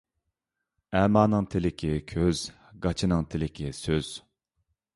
ئەمانىڭ تىلىكى كۆز، گاچىنىڭ تىلىكى سۆز.